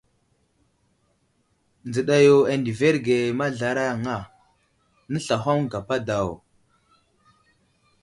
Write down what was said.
Nzəɗa yo andəverge mazlaraŋa, nəslahoŋ gapa daw.